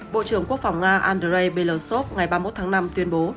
bộ trưởng quốc phòng nga andrei belosov ngày ba mươi một tháng năm tuyên bố